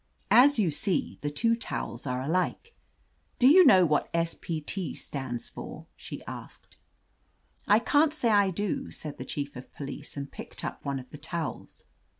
As you 185 THE AMAZING ADVENTURES see, the two towels are alikel Do you know what S. P. T. stands for?" she asked. "I can't say I do," said the Chief of Police, and picked up one of the towels.